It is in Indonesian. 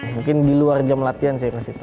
mungkin di luar jam latihan saya kasih tau